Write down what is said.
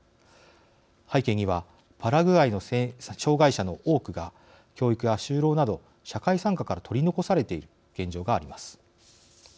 背景にはパラグアイの障害者の多くが教育や就労など社会参加から取り残されている現状があります。